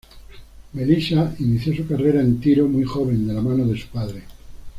Melisa inició su carrera en tiro muy joven de la mano de su padre.